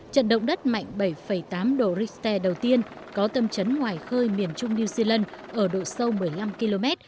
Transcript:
trận động đất mạnh bảy tám độ richter đầu tiên có tâm trấn ngoài khơi miền trung new zealand ở độ sâu một mươi năm km